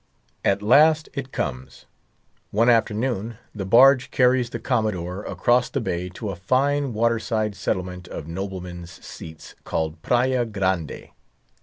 At last it comes. One afternoon the barge carries the Commodore across the Bay to a fine water side settlement of noblemen's seats, called Praya Grande.